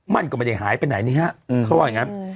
มันก็ไม่ได้หายไปไหนนี่ฮะเขาว่าอย่างนั้น